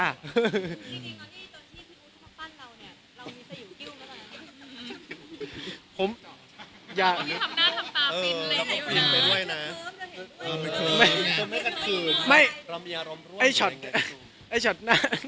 จริงก่อนที่จนที่พี่มดจะทำปั้นเราเนี่ยเรามีสยุกิ้วแล้วหรอเนี่ย